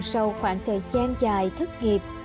sau khoảng thời gian dài thất nghiệp